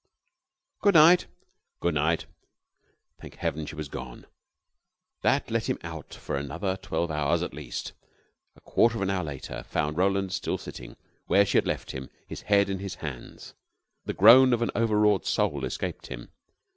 "Good night." "Good night." Thank Heaven, she was gone. That let him out for another twelve hours at least. A quarter of an hour later found Roland still sitting, where she had left him, his head in his hands. The groan of an overwrought soul escaped him.